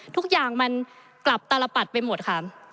ทุกอย่างมันกลับตลปัดไปหมดค่ะ